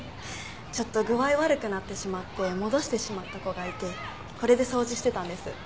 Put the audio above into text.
ちょっと具合悪くなってしまってもどしてしまった子がいてこれで掃除してたんです。